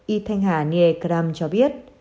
y thanh hà nghệ cram cho biết